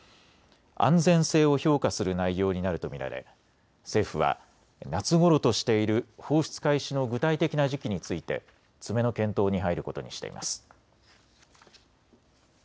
安全性を評価する内容になると見られ政府は夏ごろとしている放出開始の具体的な時期について詰めの検討に入ることにしています。